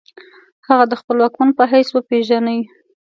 هغه د خپل واکمن په حیث وپیژني.